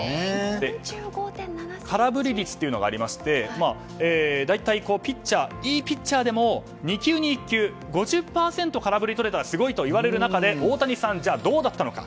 空振り率というのがありまして大体いいピッチャーでも２球に１球５０％空振りをとれたらすごいという中で大谷さんはどうだったのか。